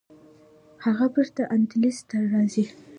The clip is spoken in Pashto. هغه بیرته اندلس ته راځي.